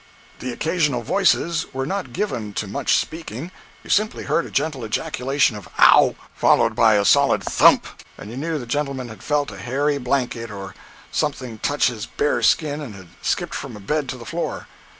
The occasional voices were not given to much speaking—you simply heard a gentle ejaculation of "Ow!" followed by a solid thump, and you knew the gentleman had felt a hairy blanket or something touch his bare skin and had skipped from a bed to the floor.